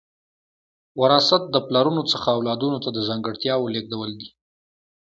وراثت د پلرونو څخه اولادونو ته د ځانګړتیاوو لیږدول دي